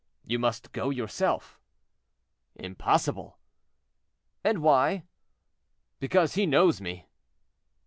"You must go yourself." "Impossible!" "And why?" "Because he knows me."